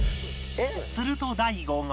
すると大悟が